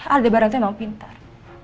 aldebaran itu emang pintar